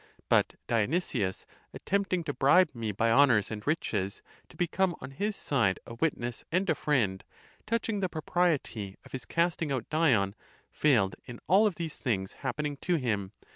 But Dionysius, attempting to bribe me by * honours and riches,* to become on his side a wit ness and a friend, touching the propriety of his casting out Dion,* failed in all of these things happening to him.